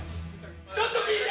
ちょっと聞いて！